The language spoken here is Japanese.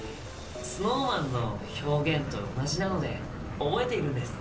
ＳｎｏｗＭａｎの表現と同じなので覚えているんです！